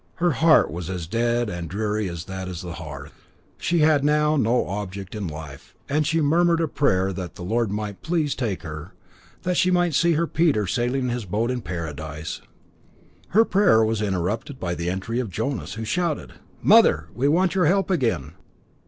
Her heart was as dead and dreary as that hearth. She had now no object in life, and she murmured a prayer that the Lord might please to take her, that she might see her Peter sailing his boat in paradise. Her prayer was interrupted by the entry of Jonas, who shouted: "Mother, we want your help again.